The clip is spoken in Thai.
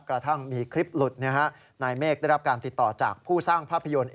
กระทั่งมีคลิปหลุดนายเมฆได้รับการติดต่อจากผู้สร้างภาพยนตร์